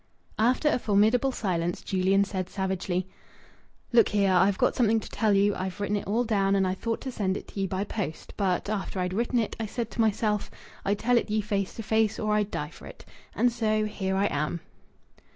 After a formidable silence Julian said savagely "Look here. I've got something to tell you. I've written it all down, and I thought to send it ye by post. But after I'd written it I said to myself I'd tell it ye face to face or I'd die for it. And so here I am."